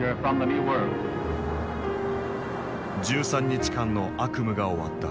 １３日間の悪夢が終わった。